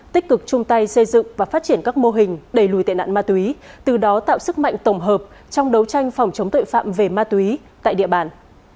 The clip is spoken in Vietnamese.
tích cực chung tay xây dựng và phát triển các mô hình đẩy lùi tệ nạn ma túy từ đó tạo sức mạnh tổng hợp trong đấu tranh phòng chống tội phạm về ma túy tại địa bàn